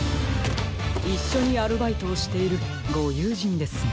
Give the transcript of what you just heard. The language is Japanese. いっしょにアルバイトをしているごゆうじんですね。